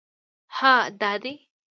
_هه! دا دی!